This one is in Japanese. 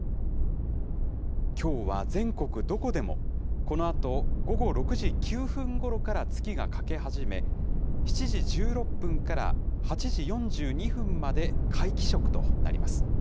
きょうは全国どこでも、このあと午後６時９分ごろから月が欠け始め、７時１６分から８時４２分まで皆既食となります。